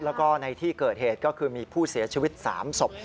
แล้วก็ในที่เกิดเหตุก็คือมีผู้เสียชีวิต๓ศพ